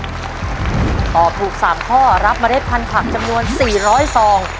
ตอบถูก๓ข้อรับเล็ดพันธุ์จำนวน๔๐๐ซอง